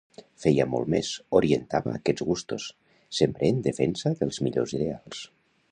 Feia molt més: orientava aquests gustos, sempre en defensa dels millors ideals.